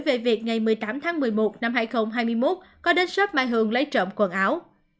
về việc ngày một mươi tám tháng một mươi một năm hai nghìn hai mươi một có đến shop mai hường lấy trộm quần áo